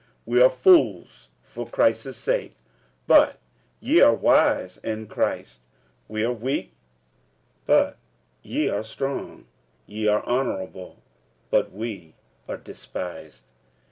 46:004:010 We are fools for Christ's sake, but ye are wise in Christ; we are weak, but ye are strong; ye are honourable, but we are despised.